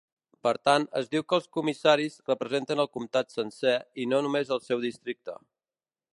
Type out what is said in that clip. Per tant, es diu que els comissaris representen el comtat sencer i no només el seu districte.